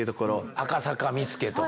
赤坂見附とか。